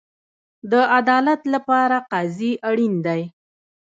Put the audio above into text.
د عدالت لپاره قاضي اړین دی